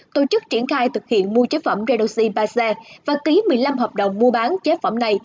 tổ chức triển khai thực hiện mua chế phẩm redoxy baza và ký một mươi năm hợp đồng mua bán chế phẩm này